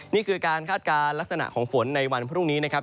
นี่คือการคาดการณ์ลักษณะของฝนในวันพรุ่งนี้นะครับ